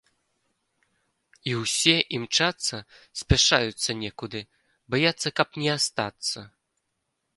І ўсе імчацца, спяшаюцца некуды, баяцца, каб не астацца.